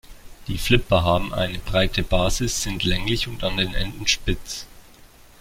Die Flipper haben eine breite Basis, sind länglich und an den Enden spitz.